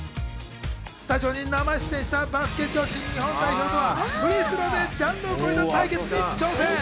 スタジオに生出演したバスケ女子日本代表とはフリースローでジャンルを超えた対決に挑戦。